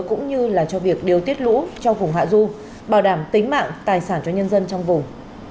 cũng như là cho việc điều tiết lũ cho vùng hạ du bảo đảm tính mạng tài sản cho nhân dân trong vùng